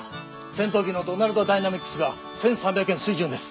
戦闘機のドナルド・ダイナミクスが１３００円水準です。